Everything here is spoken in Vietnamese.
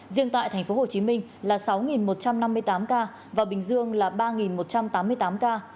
riêng tại tp hcm là sáu một trăm năm mươi tám ca và bình dương là ba một trăm tám mươi tám ca